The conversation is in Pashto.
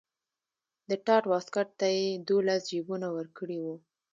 د ټاټ واسکټ ته یې دولس جیبونه ورکړي وو.